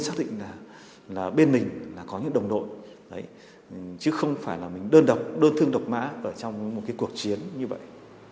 chính là bên mình là có những đồng đội chứ không phải là mình đơn thương độc mã ở trong một cái cuộc chiến như vậy